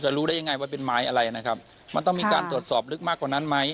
รู้ได้ยังไงว่าเป็นไม้อะไรนะครับมันต้องมีการตรวจสอบลึกมากกว่านั้นไหม